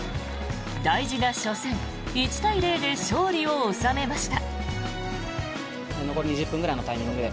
大事な初戦１対０で勝利を収めました。